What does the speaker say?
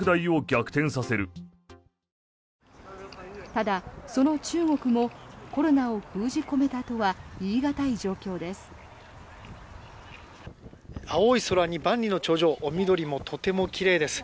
ただ、その中国もコロナを封じ込めたとは言い難い状況です。